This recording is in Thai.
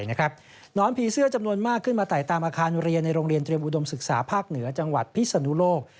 หนอนผีเสื้อจำนวนมากขึ้นมาไต่ตามอาคารเรียนในโรงเรียนเตรียมอุดมศึกษาภาคเหนือจังหวัดพิศนุโลก